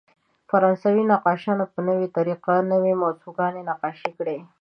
فرانسوي نقاشانو په نوې طریقه نوې موضوعګانې نقاشي کړې.